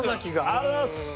ありがとうございます。